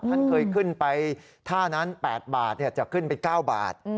ท่านเคยขึ้นไปท่านั้น๘บาทจะขึ้นไป๙บาท